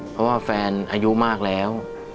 เพราะว่าแฟนอายุมากแล้ว